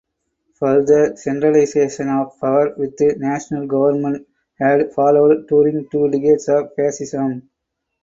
Further centralisation of power with national government had followed during two decades of Fascism.